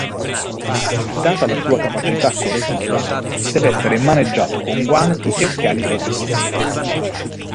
Data la sua capacità corrosiva, deve essere maneggiato con guanti e occhiali protettivi.